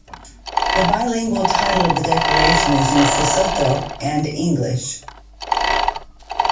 The bilingual title of the decoration is in Sesotho and English.